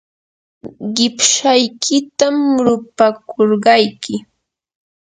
qipshaykitam rupakurqayki.